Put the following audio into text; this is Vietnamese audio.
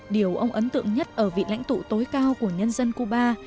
điều ông ấn tượng nhất ở vị lãnh tụ tối cao của nhân dân cuba